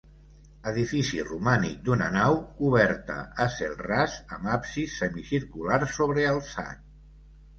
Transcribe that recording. Edifici romànic d'una nau, coberta a cel ras, amb absis semicircular sobrealçat.